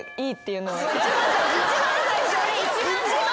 一番最初。